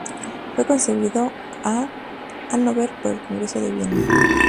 Fue concedido a Hanóver por el Congreso de Viena.